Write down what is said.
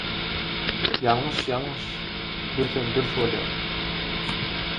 Ýalňyş – ýalňyş, dürsem – dürs bolýar.